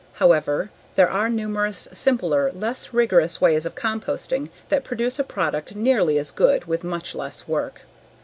However, there are numerous simpler, less rigorous ways of composting that produce a product nearly as good with much less work.